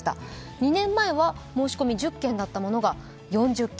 ２年前は申し込み１０件だったものが４０件。